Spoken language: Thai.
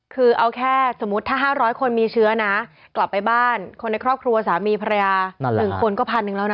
คือเอาแค่สมมุติถ้า๕๐๐คนมีเชื้อนะกลับไปบ้านคนในครอบครัวสามีภรรยา๑คนก็พันหนึ่งแล้วนะ